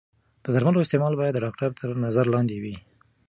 د درملو استعمال باید د ډاکتر تر نظر لاندې وي.